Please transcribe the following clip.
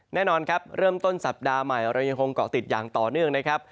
แน่นอนครับเริ่มต้นสัปดาห์ใหม่เรายังคงเกาะติดอย่างต่อเนื่องนะครับ